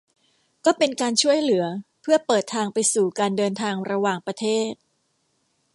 ก็เป็นการช่วยเหลือเพื่อเปิดทางไปสู่การเดินทางระหว่างประเทศ